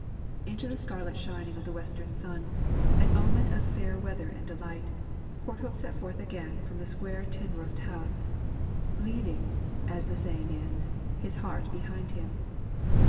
"' Into the scarlet shining of the western sun, an omen of fair weather and delight, Courthope set forth again from the square tin roofed house, 'leaving,' as the saying is, 'his heart behind him.'